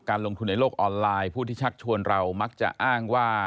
ลงทุนในโลกออนไลน์ผู้ที่ชักชวนเรามักจะอ้างว่า